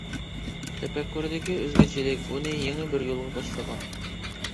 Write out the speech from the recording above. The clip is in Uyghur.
تەپەككۇرىدىكى ئۆزگىچىلىك ئۇنى يېڭى بىر يولغا باشلىغان.